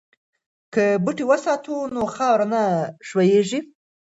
که بوټي وساتو نو خاوره نه ښویېږي.